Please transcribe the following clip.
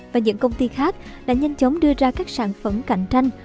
và những công ty khác đã nhanh chóng đưa ra các sản phẩm cạnh tranh